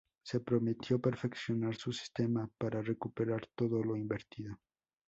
Se prometió perfeccionar su sistema para recuperar todo lo invertido.